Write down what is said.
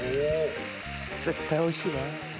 絶対おいしいな。